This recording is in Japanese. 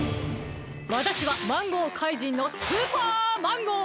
わたしはマンゴーかいじんのスーパーマンゴー！